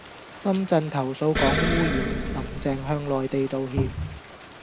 深圳投訴港污染,林鄭向內地道歉